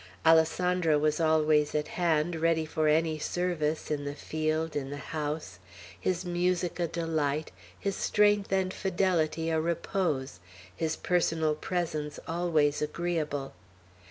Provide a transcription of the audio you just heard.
Alessandro was always at hand, ready for any service, in the field, in the house, his music a delight, his strength and fidelity a repose, his personal presence always agreeable.